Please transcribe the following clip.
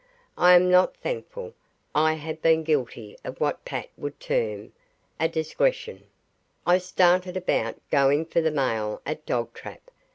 I am not thankful, I have been guilty of what Pat would term a "digresshion" I started about going for the mail at Dogtrap.